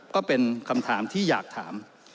ก็เป็นคำถามที่อยากถาม